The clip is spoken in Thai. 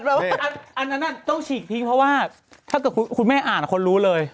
ว่าอันนั้นต้องฉีกทิ้งเพราะว่าถ้าเกิดคุณแม่อ่านคนรู้เลย